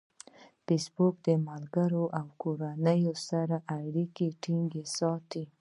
فېسبوک د ملګرو او کورنۍ سره اړیکې ټینګې ساتي.